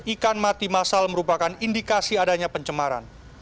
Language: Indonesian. ikan mati masal merupakan indikasi adanya pencemaran